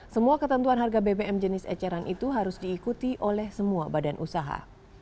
semua ketentuan harga bbm jenis eceran itu harus diikuti oleh semua badan usaha